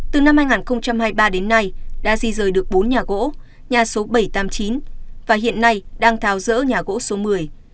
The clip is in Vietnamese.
từ năm hai nghìn hai mươi ba đến nay đã di rời được bốn nhà gỗ nhà số bảy trăm tám mươi chín và hiện nay đang tháo rỡ nhà gỗ số một mươi